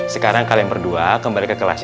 sekarang kalian berdua kembali ke kelas satu